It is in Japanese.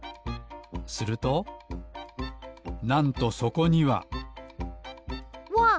するとなんとそこにはわっ！